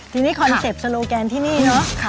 ทีนี้คอนเซ็ปต์โซโลแกนที่นี่เนอะ